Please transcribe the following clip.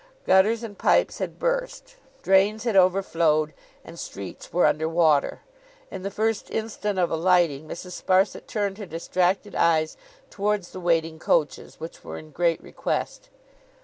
Gutters and pipes had burst, drains had overflowed, and streets were under water. In the first instant of alighting, Mrs. Sparsit turned her distracted eyes towards the waiting coaches, which were in great request.